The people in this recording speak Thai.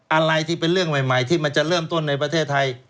อะไรที่เป็นเรื่องใหม่ที่มันจะเริ่มต้นในประเทศไทย